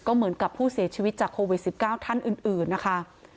เหมือนกับผู้เสียชีวิตจากโควิด๑๙ท่านอื่นนะคะ